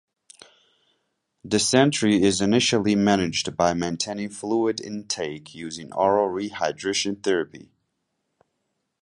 Dysentery is initially managed by maintaining fluid intake using oral rehydration therapy.